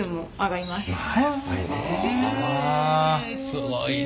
すごいな。